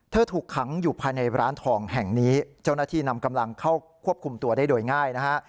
ถูกขังอยู่ภายในร้านทองแห่งนี้เจ้าหน้าที่นำกำลังเข้าควบคุมตัวได้โดยง่ายนะฮะ